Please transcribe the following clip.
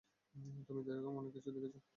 তুমি তো এরকম অনেক কিছু দেখেছ।